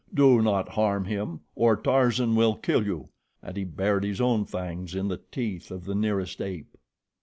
"Do not harm him, or Tarzan will kill you," and he bared his own fangs in the teeth of the nearest ape.